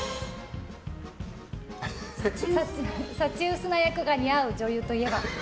幸薄な役が似合う女優といえば？